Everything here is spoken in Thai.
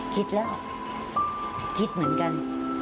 คิดแล้วคิดเหมือนกัน